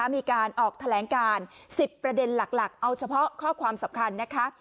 มีการออกแถลงการ๑๐ประเด็นหลักเอาเฉพาะข้อความสำคัญนะคะ